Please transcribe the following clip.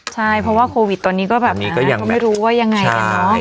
ใช่เพราะว่าโควิดตัวนี้ก็ไม่รู้ว่ายังไง